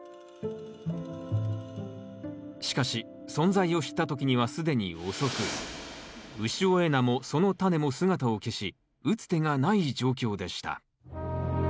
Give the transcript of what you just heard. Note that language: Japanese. しかし存在を知った時には既に遅く潮江菜もそのタネも姿を消し打つ手がない状況でした。